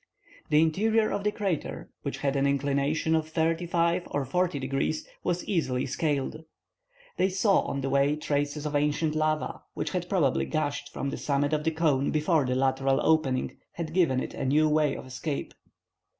The interior of the crater, which had an inclination of thirty five or forty degrees, was easily scaled. They saw on the way traces of ancient lava, which had probably gushed from the summit of the cone before the lateral opening had given it a new way of escape.